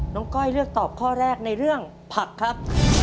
ก้อยเลือกตอบข้อแรกในเรื่องผักครับ